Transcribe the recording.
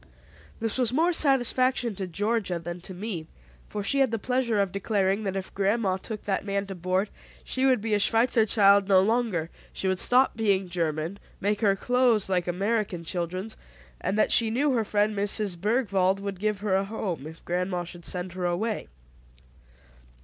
This was more satisfaction to Georgia than to me, for she had the pleasure of declaring that if grandma took that man to board, she would be a Schweitzer child no longer, she would stop speaking German, make her clothes like American children's; and that she knew her friend Mrs. Bergwald would give her a home, if grandma should send her away.